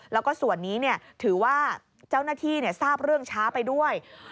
แล้วก็ส่วนนี้ถือว่าเจ้าหน้าที่ทราบเรื่องช้าไปด้วย